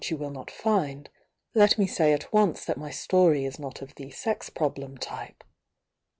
y"" ^'" "^"t And, let me say at once that my stoiy is not of the Sex Problem t^pe.